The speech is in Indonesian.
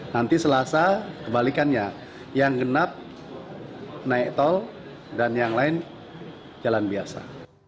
nanti selasa kebalikannya yang genap naik tol dan yang lain jalan biasa